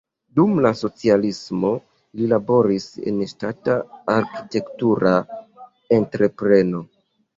Dum la socialismo li laboris en ŝtata arkitektura entrepreno.